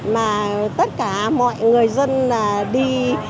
mà tất cả mọi người dân đi